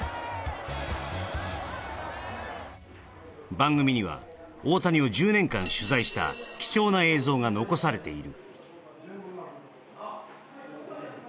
番組には大谷を１０年間取材した貴重な映像が残されている。